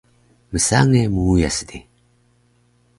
Msange muuyas di